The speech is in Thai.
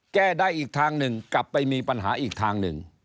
แก้ได้อีกทางหนึ่งกลับไปมีปัญหาอีกทางหนึ่ง